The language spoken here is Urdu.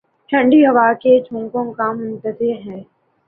ٹھنڈی ہوا کے جھونکوں کا منتظر ہے